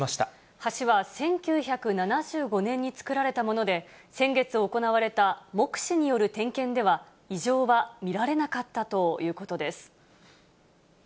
橋は１９７５年に作られたもので、先月行われた目視による点検では、異常は見られなかったということです。